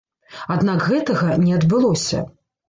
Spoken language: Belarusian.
Аднак гэтага не адбылося.